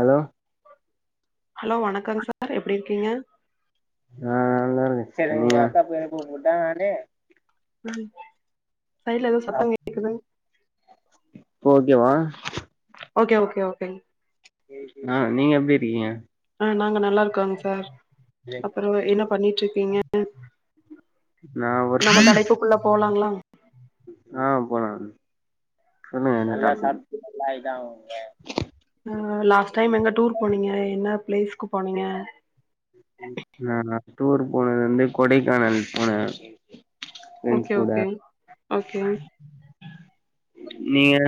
Hello hello வணக்கம் sir எப்டி இருக்கீங்க ஆ நல்லா இருக்கே சைட்ல எதோ சத்த கேக்குது இப்ப ஓகேவா ஓகே ஓகே ஓகேங்க ஆ நீங்க எப்டி இருக்கீங்க ஆ நாங்க நல்லா இருக்கோங் சார் அப்பறோ என்ன பண்ணிட்ருக்கீங்க நா ஒரு நம்ம தலைப்புக்குள்ள போலாங்ளா ஆ போலாங்க சொல்லுங்க என்ன டாப்பிக் ஆ லாஸ்ட் டைம் எங்க டூர் போனீங்க என்ன பிளேஸ்க்கு போனீங்க நா டூர் போனது வந்து கொடைக்கானல் போனே ஓகே ஃப்ரெண்ட்ஸ் கூட ஓகேங் ஓகேங் நீங்க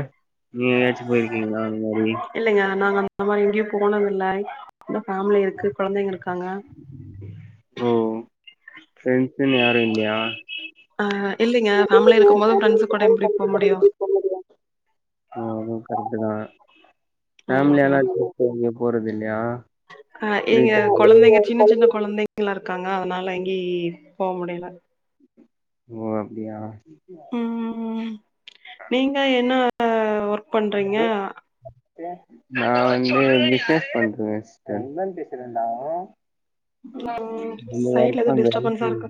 நீங்க எதாச்சு போயிருக்கீங்ளா அந்த மாரி இல்லைங்க நாங்க அந்த மாரி எங்கேயு போனதில்லை இந்தா ஃபேம்லி இருக்கு கொழந்தைங்க இருக்கு றாங்க ஃப்ரெண்ட்ஸுனு யாரு இல்லையா ஆ ஹா இல்லைங்க ஃபேம்லி இருக்கும் போது ஃப்ரெண்ட்ஸு கூட எப்டி போ முடியு ஓ அதுவு சரிதா ஃபேம்லியாலா ட்ரிப்பு எங்கயு போறதில்லையா அ ஏங்க கொழந்தைங்க சின்ன சின்ன கொழந்தைங்ளா இருக் க்காங்க அதனால எங்கயு போ முடியல ஓ அப்டியா ம் நீங்க என்ன ஒர்க் பண்றீங்க நா வந்து பிஸ்னஸ் பண்றேங்க சிஸ்டர் ம் இந்த சைட்ல ஒர்க்கு எதோ டிஸ்டர்பன்ஸா பண்றதுக்கு இருக்கு.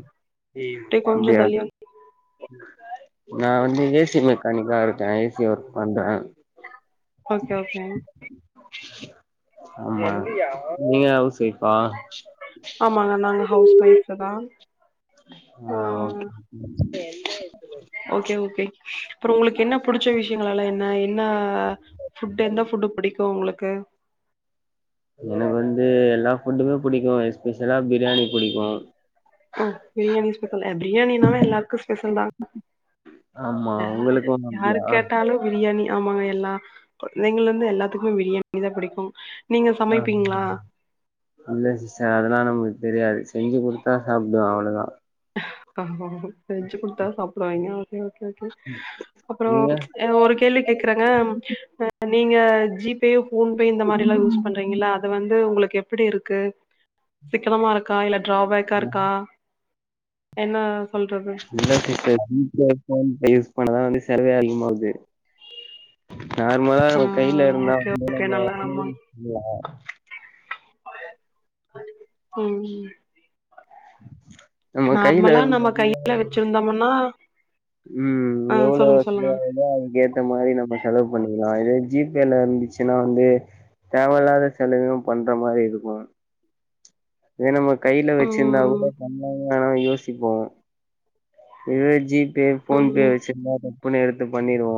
ம் அப்டியே கொஞ்சோ அப்டியா தள்ளி வந் நா வந்து ஏசி மெக்கானிக்கா இருக்கே ஏசி ஒர்க் பண்றே ஓகே ஓகே ஆமா [inaudible] நீங்க அவுஸ் ஆ [unintelligible] அ ஓகே ஓகே ஓகே அப்ரோ உங்ளுக்கு என்ன புடிச்ச விஷயோ லலா என்ன என்ன ஃபுட் எந்த ஃபுட் புடிக்கு உங்ளுக்கு எனக்கு வந்து எல்லா ஃபுட்டுமே புடிக்கு எஸ்பெஷலா பிரியாணி புடிக்கு ஓ பிரியாணி [unintelligible] அ பிரியாணின்னாவே எல்லாருக்கு ஸ்பெஷல் தா ஆமா [unintelligible] உங்களுக்கு யாரு அப்டியா கேட்டாலு பிரியாணி ஆமாங்க எல்லா குழந்தைங்கள் லந்து எல்லாத்துக்குமே பிரியாணி தா புடிக்கு ஆ இல்ல சிஸ்ஸர் அதெல்லா நம் தெரியாது செஞ்சு குடுத்தா சாப்டுவே அவ்ள தா [unintelligible] செஞ்சி குடுத்தா சாப்டுவாய்ங்க ஓகே ஓகே அப்ரோ நீங்க ஒரு கேள்வி கேக்குறாங்க நீங்க ஜீ பே ஃபோன்பே இந்த மாரிலா யூஸ் பண்றீங்கல அது வந்து உங்ளுக்கு எப்டி இருக்கு சிக்கனமாருக்கா இல்ல டிராபேக்காருக்கா என்ன இல்ல சிஸ்சர் [unintelligible] யூஸ் பண்ணா தா செலவே அதிகமாது நார்மலா ஆ நம்ம கைல இருந்தா ஓகே வந்து ஓகே நம்ம நல்லா ஆமா [inaudible] ம் நம்ம கைல நார்மலா இருந் நம்ம [inaudible] கையில வச்சிருந்தோம்னா ம் ஆ எவ்ளோ சொல்லுங்க சொல்லுங்க செலவாதோ அதுக்கு ஏத்த மாரி நம்ம செலவு பண்ணிக் கலா இதே ஜீ பேல இருந்துச்சுன்னா வந்து தேவல்லாத செலவுயு பண்ற மாரி இருக்கு இதே நம்ம கைல வச்சிருந்தா கூட ம் பண்லாமா வேணாமா யோஸ் சிபோ இதுவே ஜீபே ஃபோன் பே ம் வச்சிருந்தா புக் பண்ணி எடுத்து பண்ணி போ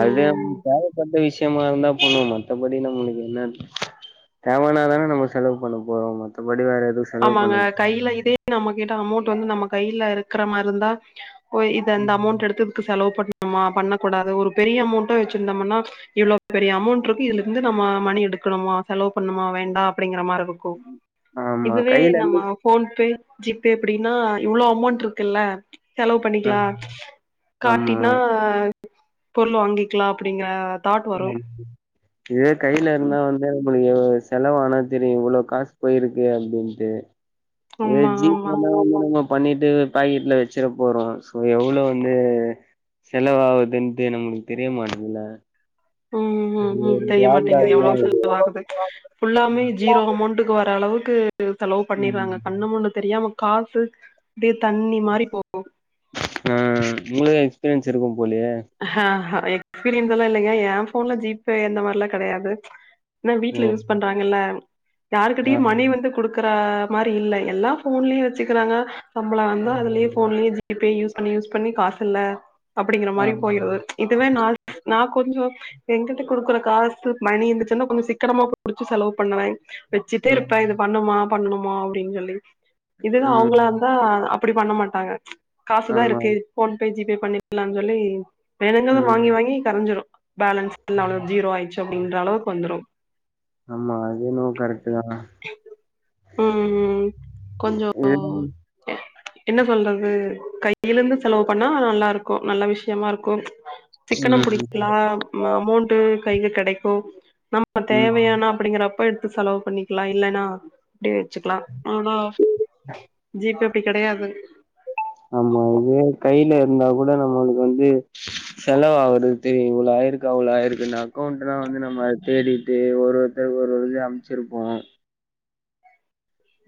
அது தேவப்பட்ட விஷயமாருந்தா பண்ணுவோ மத் மத்தபடி நம்ளுக்கு என்ன தேவனா தான [inaudible] பண்ண போறோ மத்தபடி வேற எதுவு செலவு ஆமாங்க பண்ண கைல இதே நமக் டா அமௌண்ட் வந்து நம்ம கைல இருக்குற மாரிருந்தா ஓ இது அந்த ம் அமௌண்ட் எடுத்து இதுக் செலவு பண்ணுமா பண்ணக்கூடாது ஒரு பெரிய அமௌண்ட் டு வச்சிருந்தம் னா இவ்ளோ பெரிய அமௌண்ட்ருக்கு இதுலருந்து நம்ம அ மணி எடுக்கணுமா செலவு பண்ணுமா வேண்டா அப்டிங்ற மாரிருக்கு ஆமா இதுவே கையில நம்ம இருந்து ஃபோன் பே ஜீபே அப்டின்னா இவ்ளோ அமௌண்ட்ருக்குல்ல செலவு ஆ பண்ணிக்லா ஆமா காட்டினா பொருள் வாங்கிக்லா அப்டிங்ற [unintelligible] இதுவே கைலருந்தா வந்து உங்ளுக்கு செலவானா தெரியு இவ்ளோ காஸ் போயிருக்கு அப்டின்ட்டு இதே ஆமா ஜீ ஆமா பேனா [inaudible] பண்ணிட்டு பாக்கெட்ல வெச்சிர போறோ சோ எவ்ளோன்னு செலவாவுதுன்ட்டு நம்ளுக்கு தெரிய மாட்டுதுல ம் ம் ம் தெரியமாட்டேங்குது தா எவ்ளோ இது செலவாகுது ஃபுல்லாமே ஜீரோ அமௌண்ட்டுக்கு வர அளவுக்கு கு செலவு பண்ணிர்றாங்க ம் கண்ணு முன்னு தெரியாம காசு அப்டே தண்ணி மாரி போ ஆ உங்களுக்கு எக்ஸ்பீரியன்ஸ் இருக்கும் போலியே அ எக்ஸ்ப்பீரியன்ஸ் எல்லா இல்லைங்க ஏன் ஃபோன்ல ஜீபே அந்த மாரில்லா கெடையாது என்ன வீட்ல ஓ யூஸ் பண்றாங்கல்ல யாருகிட்டயு ஆ மணி வந்து குடுக் க்ற மாரி இல்ல எல்லா ஃபோன்லே வச்சுக்குறாங்க சம்பலோ வந்தா அதுலே ஃபோன்லே ஜீப் பே யூஸ் பண்ணி யூஸ் பண்ணி காசு இல்ல அப்டிங்ற ஆ மாரி போய்ருது இதுவே நா நா கொஞ்சோ எங்கிட்ட குடுக்குற காசு மணி இந்துச்சின்னா கொஞ்சோ சிக்கனமா புடிச்சி செலவு பண்ணுவே ம் வச்சுட்டேருப்பே இது பண்ணுமா பண்ணணுமா அப்டின் சொல்லி இதே இது ம் அவுங்களாந்தா அப்பிடி பண்ண மாட்டாங்க காசு தா ஆமா இருக்கு போன்பே ஜிபே பன்னிக்கிலானு சொல்லி வேணுங்கறத ம் வாங்கி வாங்கி கரஞ்சுரு பேலன்ஸ் [inaudible] அவ்ளோ ஜீரோ ஆய்ர்ச்சு அப்டின்ற அளவுக்கு வந்துரு ஆமா அது என்னவோ கரெட்டு தா ம் ம் கொஞ்சோ இது என்ன சொல்றது கைய்யில இருந்து செலவு பண்ணா நல்லாருக்கு நல்ல விஷ்யமா இருக்கு சிக்கனம் ம் புடிக்கலா ம அமோண்டு கைல கெடைக்கு நம்ம ம் தேவையானா அப்படிங்கிறப்ப எடுத்து செலவு பண்ணிக்கலா இல்லனா அப்டியே வச்சுக்கலா ஆனா ஜீபே அப்டி கெடையாது ஆமா இதுவே கையில இருந்தா கூட நம்மளுக்கு வந்து செலவாவுறது தெரியு இவ்ளோ ஆய்ருக் கு அவ்ளோ ஆய்ருக்குன்னு அக்கோண்ட்டுனா வந்து நம்ம தேடிட்டு ஒரொருத்தருக்கு ஒரொரு இது அம்ச்சிருப்போ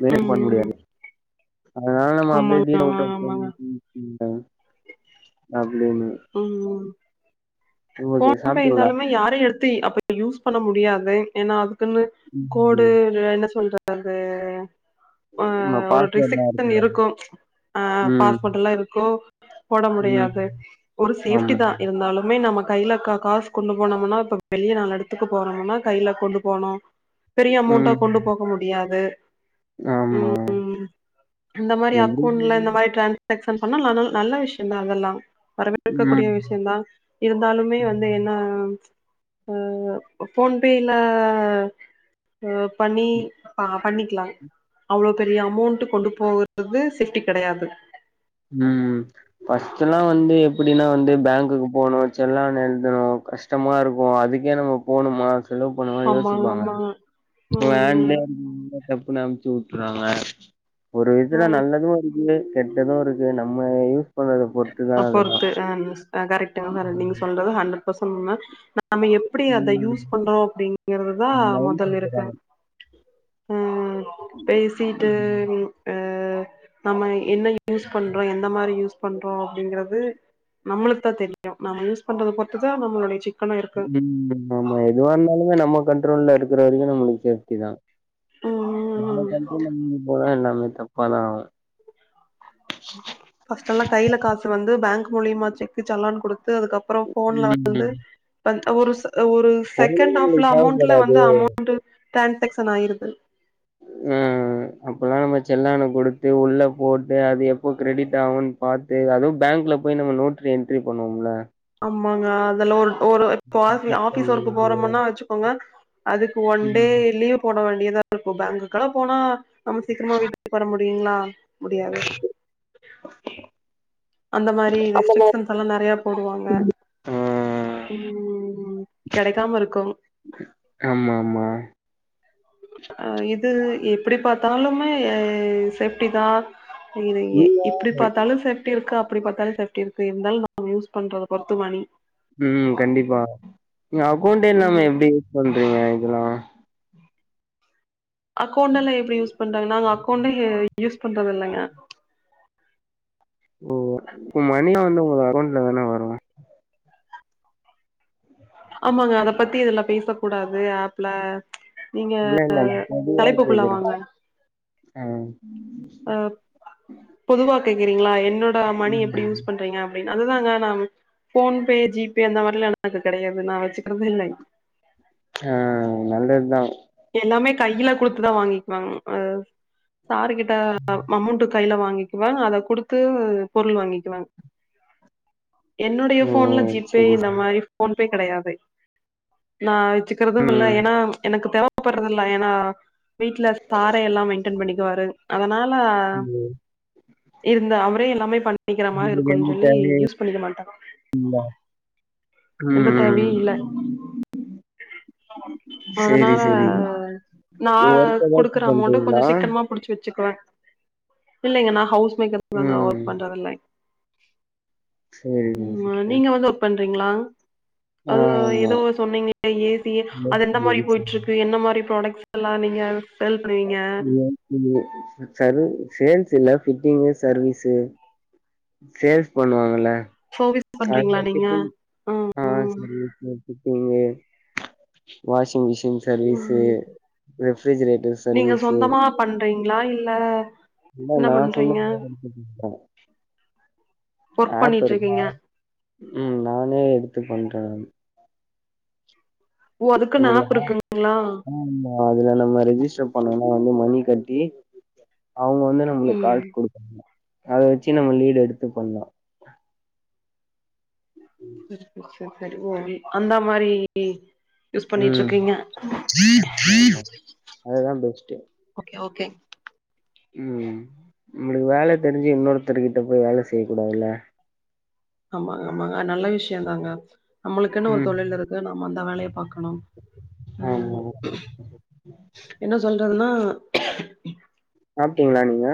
வேறெதுவு பண்ண ம் முடியாது அதுனால நம்ம அப்டியே ஆமாங்க டீல்ல ஆமா வுட்ரு [inaudible] ஆமாங்க அ ஆம் ம் ம் ஓகே ஃபோன்ப்பே சாப்ட்டீங்களா இருந்தாலுமே யாரயு எடுத்து அப்ப யூஸ் பண்ண முடியாது ஏன்னா அதுக்குன்னு ம் கோடு ம். இல்ல என்ன சொல்றது ஆ ஆமா ஒரு பாஸ்வேர்ட்லா ட்ரிசிப்தன் இருக்குல்ல இருக்கு அ ம் பாஸ்போட்டெல்லா இருக்கு போட ம் முடியாது ஒரு சேஃப்ட்டி ஆமா தா இருந்தாலு லுமே நம்ம கையில கா காசு கொண்டு போனமுனா இப்ப வெளிய நாலு எடத்துக்கு போறமுனா கையில கொண்டு போனோ பெரிய அமோண்டா ம் கொண்டு போக முடியாது ம் ஆமா ம் இந்த மாரி எப்டி அக்கவுண்ட்ல இந்த மாரி ட்ரன் ஷாக்சன் பண்ணா ந நல் நல்ல விஷ்யம் தா அதல்லா ம் இருக்கக்கூடிய விஷயந்தா இருந்தாலுமே வந்து என்ன அ ஃபோன்பேல அ பண்ணி ப பண்ணிக்லா அவ்ளோ பெரிய அமோண்ட்டு கொண்டு போறது சேஃப்ட்டி கெடையாது ம் ஃபஸ்ட்டுல்லா வந் ந்து எப்புடின்னா வந்து பேங்க்குக்கு போணு செல்லான் எழுதணு கஷ்டமா இருக்கு அதுக்கே நம்ம போணுமா செலவு பன்னமானு ஆமா யோசிப்பாங்க ஆமா இப்ப ம் ம் [unintelligible] டப்புன்னு அம்ச்சு வுட்றாங்க ஒரு விதத்துல ம் நல்லது இருக்கு கெட்டது இருக்கு நம்ம யூஸ் பண்றத பொறுத்துதா அப் அதெல்லா பொறுத்து அ கரெக்ட்டுங்க சாரு நீங்க சொல்றது ஹண்ட்ரட் பர்சண்ட் உண்ம நம்ம எப்பிடி அத ம் யூஸ் பண்றோ அப்டிங்கிறதுதா லைன் முதல் இருக்கு குடுக்குறாங்க ஆ பேசிட்டு அ நம்ம என்ன யூஸ் பண்றோ எந்த மாரி யூஸ் பண்றோ அப்டிங்கறது நம்மளுக்கு தா தெரியு நம்ம யூஸ் பண்றது பொருத்துதா நம்மளுடைய செ ம் ஆமா எதுவா இருந்தாலுமே நம்ம கண்ட்ரோல்ல இருக்கற வரைக்கு நம்மளுக்கு சேஃப்டி தா ம் ம் நம்ம ம் கண்ட்ரோல்ல மீறி போனா எல்லாமே தப்பாதா ஆகு ஃபஸ்டல்லா கையில காசு வந்து பேங்க் மூலியமா செக்கு செலான் குடு து அதுக்கப்பறோ ஃபோன்ல வந்து ம் பன் ஒரு ச ஒரு ஃபோனே செகண்ட் ஹாப்ல நம்மளுக்கு அமோண்ட்ல வந்து தேவப்படாது அமோண்ட்டு ட்ரான்சாக்சன் ஆய்ருது ம் ம் அப்பல்லா நம்ம செல்லான குடுத்து உள்ள போட்டு அது எப்போ கிரிடிட் ஆகுனு பாத்து அதுவு பேங்க் ல போய் நம்ம நோட்டல என்ட்ரி பண்ணுவோம்ல ஆமாங்க அதுல ஒரு ஒரு இப்போ ஆஃபீ ஆஃபீஸ் ஒர்க் ஐய்யய்யோ! போறோமுன்னா வச்சுக்கோங்க அதுக்கு ஒன் டே ம். லீவ் போட வேண்டியதா இருக்கு பேங்குக்கல்லா போனா நம்ம சீக்கிரமா வீட்டுக்கு வர முடியுங்ளா முடியாது அந்த மாரி ரெஸ்ட்ரிக்ஷன்ஸ்லா நெறைய போடுவாங்க ஆ ம் கெடைக்காம இருக்கும் ஆமா ஆமா அ இது எப்டி பாத்தாலுமே சேஃப்டி தா இது எ நீங்க இப்டி பாத்தாலு சேஃப்டி இருக்கு அப்டி பாத்தாலு சேஃப்டி இருக்கு இருந்தாலு நம்ம யூஸ் பண்றத பொருத்து மணி அக்கௌண்ட ம் நாம எப்படி யூஸ் பண்றீங்க இதெல்லா அக்கௌண்ட எல்லா எப்படி யூஸ் பண்றாங்க நாங்க அக்கௌண்ட யூஸ் பண்றத இல்லைங்க ஓ இப்ப மணியா வந்து உங்க அக்கவுண்ட்ல தான வரு ஆமாங்க அத பத்தி இது எல்லா பேச கூடாது ஆப்ல நீங்க இல்ல இல்ல நான் பொதுவா தலைப்புக்குள்ள கேக்குறேன். வாங்க ஆ அ பொதுவா கேக்றீங்களா என்னோட மணி எப்படி ம். யூஸ் பண்றீங்க அப்படின் அதுதாங்க நா போன் பே ஜி பே ஜி பே அந்த மாரில கிடையாது நா வச்சுக்கிறதுத இல்ல ஆ நல்லதுதா எல்லாமே கையில கொடுத்துதா வாங்கிக்குவாங்க சார் கிட்ட அமௌண்ட் கையில வாங்கிக்குவா அத கொடுத்து பொருள் வாங்கிக்குவா என்னுடைய ஓ போன்ல ஜி பே சரி. இந்த மாதிரி போன்பே கிடையாது நா வச்சுக்கிறது இல்ல ம். ஏன்னா எனக்கு தேவைப்படுறது இல்ல ஏன்னா வீட்டுல சார்ரே எல்லா மெயின்டெய்ன் பண்ணிக்குவாரு அதனால ம். இருந்த அவரே எல்லாமே பண்ணிக்கிற மாதிரி உங்களுக்கு இருக்கும்ன்னு எந்த சொல்லி தேவையும் யூஸ் பண்ணிக்க மாட்ட [unintelligible] உம் அதனால நா ஒர்க் ஏதாச்சு குடுக்குற அமௌண்ட கொஞ்ச பண்றீங்களா சீக்கிரமா புடிச்சு வச் சுக்குவ இல்லைங்க நா ஹவுஸ் மேக்கர்ங்க ஒர்க் ம் பண்றது இல்ல சேரிங்க உம் சிஸ்டர் நீங்க வந்து ஒர்க் பண்றீங்களா அது ஆமா ஏதோ சொன்னீங்கா ஏ சி அது எந்த மாதிரி போயிட்டு இருக்கு என்ன மாதிரி ப்ராடக்ட் எல்லா நீங்க சேல் பண்ணுவீங்க [inaudible] சரு சேல் ல பிட்டிங்க் சர்வீஸு சேல்ஸ் பண்ணுவாங்கல சர்வீஸ் அ [inaudible] பண்றீங்களா நீங்க ஆ ம் service fitting washing machine service ம் ரெஃபிரிஜரேட்டர் சர்வீஸு நா இல்ல இல்ல என்ன நா சொன் பண்றீங்க [inaudible] ஒர்க் ஆப் பண்ணிட்டு இருக்க இருக்கீங்க உம் நானே எடுத்து பண்றே ஓ அதுக்குன்னு அதுல ஆப் இருக்குங்களா ம் அதுல நம்ம ரெஜஸ்டர் பண்ணனு மணி கட்டி அவங்க வந்து நம்மளுக்கு ம் கார்ட் கொடுக்கணு அத வச்சு நம்ம லீடு எடுத்து பண்லா சரி சரி சரி சரி ஒ அந்த மாரி யூஸ் பண்ணிட்டு உம் இருக்கீங்க அததா பெஸ்ட்டு ஓகே ஒகே உம் நம்மளுக்கு வேல தெரிஞ்சு இன்னொருத்தர் கிட்ட போய் வேல செய்ய கூடாதுல ஆமாங்க ஆமாங்க அது நல்ல விஷயோ தாங்க நம்மளுக்குனு ஒரு ம் தொழில் இருக்கு நம்ம அந்த வேலய பாக்கணு அ ஆமா என்ன சொல்றதுனா சாப்ட்டீங்களா நீங்க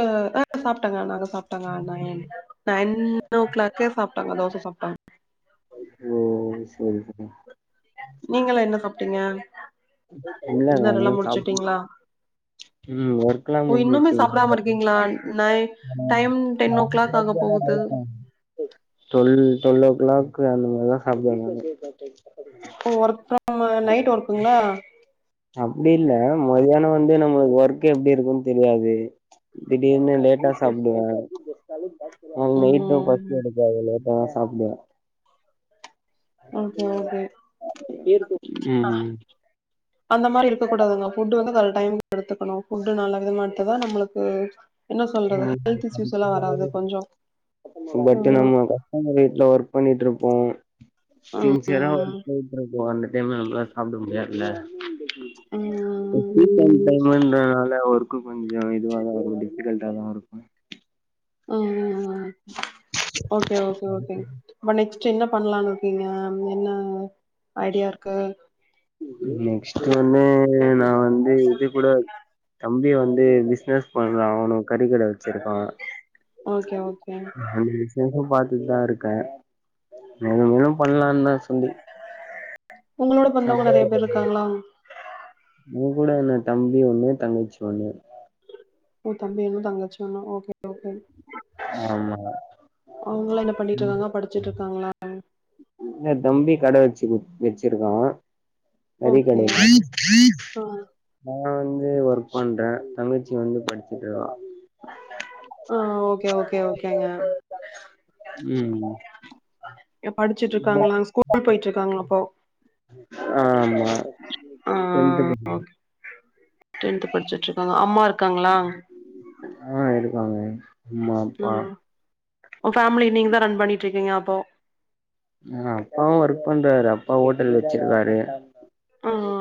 அ அ சாப்ட்டங்க நாங்க சாப்டங்க நா ஏ ஓ கிளாக்கே சாப்டேங்க தோச சாப்டேங்க ஓ சரிங்க நீங்களா என்ன சாப்ட்டீங்க இல்லங்க டின்னர் இன்னு எல்லா சாப்ல முடிச்சுட்டீங்களா உம் ஒர்க் எல்லா ஓ இன்னுமே முடுஞ்சுருச்சு சாப்டாம இருக்கீங்களா night time [unintelligible] ten o'clock ஆக போகுது டுவெல் டுவெல் ஓ கிளாக் அந்த மாரிதா சாப்டுவேங்க ஒர்க் ஃபிரம் நைட் ஒர்க்குங்களா அப்டி இல்ல மதியானோ வந்து நம்ம ஒர்க் எப்டி இருக்குன் தெரியாது திடீர்னு லேட்டா சாப்டுவோ அ [unintelligible] நைட்டு பசி ம் எடுக்காதுல்ல இப்பதா சாப்டுவோ ஓகே ஓகே [unintelligible] ம் ம் அந்த மாரி இருக்கக்கூடாதுங்க ஃபுட்டு வந்து அதோட டைம்க் எடுத்துக்கனு ஃபுட்டு நல்ல விதமா எடுத்தா தா நம்மளுக்கு என்ன சொல்றது ம் ஹெல்த் இஸ்யூஸ் எல்லா வராது கொஞ்சோ பட்டு ம் நம்ம கஸ்டமர் வீட்ல ஒர்க் பண்ணிட்ரு சின்சியரா ஒர்க் பண்ணிட்ருப்போ அந்த டைம்ல நம்ளால் சாப்ட முடியாதில்ல ம் சீசன் டைமுன்றதுனால ஒர்க்கு கொஞ்சோ இதுவா தா [inaudible] முடியு கிரண்ட்டாவு இருக்கு அப்டியா ஓகே ஓகே ஓகே ப நெக்ஸ் டு என்ன பண்லான் இருக்கீங்க என்ன ஐடியா இருக்கு நெக்ஸ்ட் ஒன்னு நா வந்து இது கூட தம்பி வந்து பிஸ்னஸ் பண்றா அவனு கறி கட வெச்சிருக்கா ஓகே ஓகே [inaudible] விஷேசம் பாத் துட் தா இருக்கே மேலு மேலு பண்லான் தா சொல்லி உங்களோட [inaudible] பொறந்தவங்க நெறைய பேர் இருக்காங்களா ம் கூட என்ன தம்பி ஒன்னு தங்கச்சி ஒன்னு ஒ தம்பி ஒன்னு தங்கச்சி ஒன்னா ஓகே ஓகே ஆமா அவங்கல்லா என்ன பண்ணிட்ருக்காங்க படிச்சிட்ருக்காங்களா எல் இல்ல தம்பி கட வெச்சி குத் வெச்சிருக்கா கறி ஓகே கட ஆ நா வந் து ஒர்க் பண்றே தங்கச்சி வந்து படிச்சிட்ருக்கா அ ஓகே ஓகே ஓகேங்க ம் அ படிச்சிட்ருக்காங்களா ஸ்கூல் போய்ட்ருக்காங்க அப்போ ஆமா டென்த்து [unintelligible] டென்த்து படிச்சிட்ருக்காங்க அம்மா இருக்காங்ளா ஆ இருக்காங்க அம்மா அப்பா ம் ஓ ஃபேமிலி நீங்க தா ரன் பண்ணிட்ருக்கீங்க அப்போ இல்ல அப்பாவு ஒர்க் பண்றாரு அப்பா ஹோட்டல் வெச்சிருக்காரு ஆ ஆ